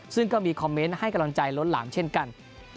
ซึ่งก็มีคอมเมนต์ให้กำลังใจล้นหลามเช่นกัน